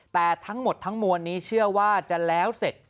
แต่ทั้งหมดทั้งมวลนี้เชื่อว่าจะแล้วเสร็จ